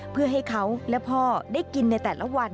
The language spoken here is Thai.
เพื่อให้เขาและพ่อได้กินในแต่ละวัน